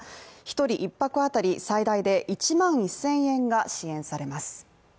１人１泊当たり最大で１万１０００円が支援されます。